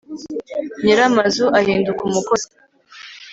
nyiri amazu ahinduka umukozi